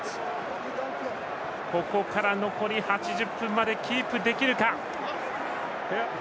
ここから残り８０分までキープできるか。